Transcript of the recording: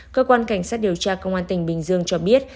cơ quan cảnh sát điều tra công an tỉnh bình dương cho biết